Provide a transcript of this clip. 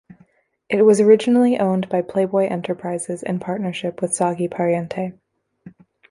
It was originally owned by Playboy Enterprises in partnership with Sagi Pariente.